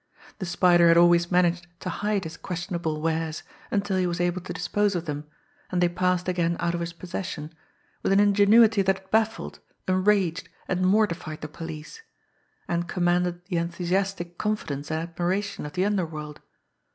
The Spider had always managed to hide his questionable wares, until he was able to dispose of them and they passed again out of his possession, with an ingenuity that had baffled, enraged, and mortified the police and commanded the enthusiastic confidence and admiration of the underworld!